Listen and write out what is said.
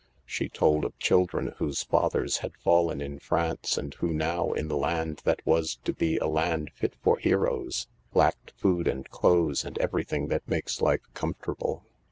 She told of children whose fathers had fallen in France and who now, in the land that was to be a land fit for heroes, lacked food and clothes and everything that makes life comfortable.